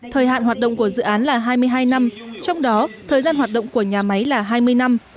thời hạn hoạt động của dự án là hai mươi hai năm trong đó thời gian hoạt động của nhà máy là hai mươi năm